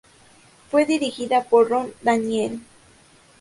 Fue dirigida por Rod Daniel.